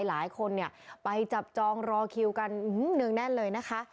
หลายคนเนี่ยไปจับจองรอคิวกันเนืองแน่นเลยนะคะ